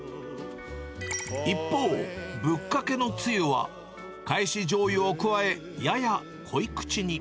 一方、ぶっかけのつゆは、返しじょうゆを加え、やや濃い口に。